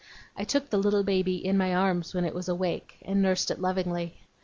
I took the little baby in my arms when it was awake, and nursed it lovingly.